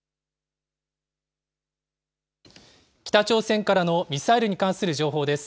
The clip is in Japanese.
北朝鮮からのミサイルに関する情報です。